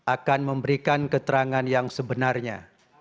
akan memberikan keterangan yang sebenarnya